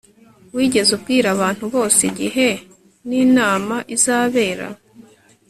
Wigeze ubwira abantu bose igihe ninama izabera